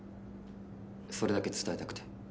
それだけ伝えたくて。